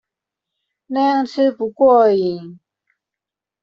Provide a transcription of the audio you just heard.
那樣吃不過癮